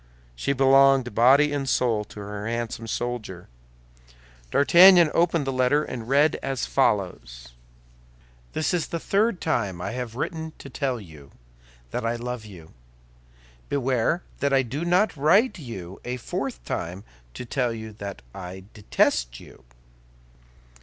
She belonged body and soul to her handsome soldier. D'Artagnan opened the letter and read as follows: This is the third time I have written to you to tell you that I love you. Beware that I do not write to you a fourth time to tell you that I detest you.